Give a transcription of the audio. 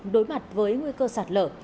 đối mặt với nguy cơ sạt lở